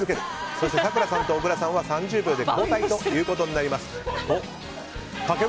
そして咲楽さんと小倉さんは３０秒で交代ということになります。